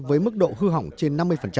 với mức độ hư hỏng trên năm mươi